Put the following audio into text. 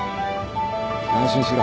安心しろ。